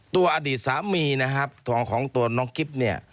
อดีตสามีนะครับของตัวน้องกิ๊บเนี่ย